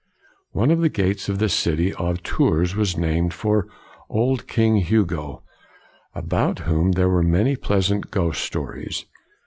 One of the gates of the city of Tours was named for old King Hugo, about whom there were many pleasant ghost stories.